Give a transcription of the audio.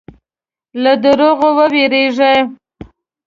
له دروغو وېرېږه.